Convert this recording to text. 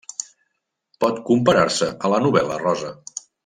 Pot comparar-se a la novel·la rosa.